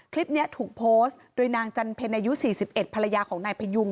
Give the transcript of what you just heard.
คลิปนี้ถูกโพสต์โดยนางจันเพ็ญอายุ๔๑ภรรยาของนายพยุง